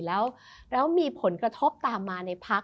แล้วมีผลกระทบตามมาในพัก